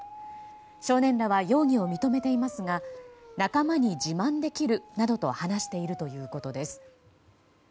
少年らは容疑を認めていますが仲間に自慢できるなどと話しているということです。